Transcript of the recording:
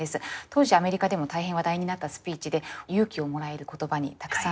当時アメリカでも大変話題になったスピーチで勇気をもらえる言葉にたくさん出会えるスピーチなんです。